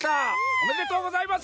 おめでとうございます！